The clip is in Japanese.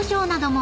も